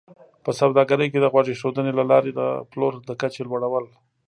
په سوداګرۍ کې د غوږ ایښودنې له لارې د پلور د کچې لوړول